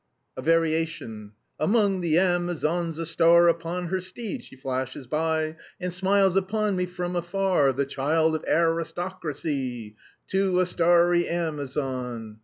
A variation: 'Among the Amazons a star, Upon her steed she flashes by, And smiles upon me from afar, The child of aris to cra cy! To a Starry Amazon.'